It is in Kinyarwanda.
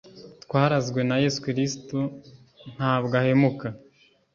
twarazwe na yesu kristo, ntabw’ ahemuka